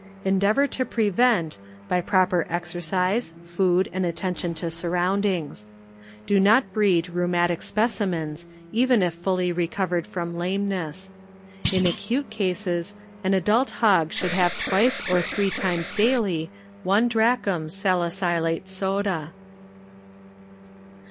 ŌĆö Endeavor to prevent by proper exercise, food and attention to surroundings. Do not breed rheumatic specimens even if fully recovered from lameness. In acute cases an adult hog should have twice or three times daily one drachm salicylate soda.